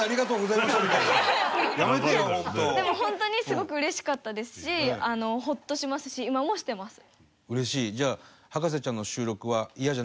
でも本当にすごくうれしかったですしホッとしますし今もしてます。